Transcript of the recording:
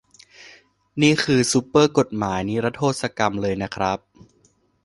นี่คือซูเปอร์กฎหมายนิรโทษกรรมเลยนะครับ